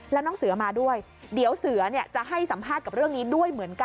แล้วน้องเสือมาด้วยเดี๋ยวเสือจะให้สัมภาษณ์กับเรื่องนี้ด้วยเหมือนกัน